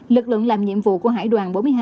lực lượng làm nhiệm vụ của hải đoàn bốn mươi hai